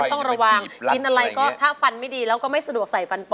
ต้องระวังติดอะไรก็ถ้าฟันไม่ดีแล้วก็ไม่สะดวก